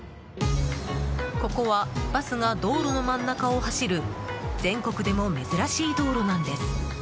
ここはバスが道路の真ん中を走る全国でも珍しい道路なんです。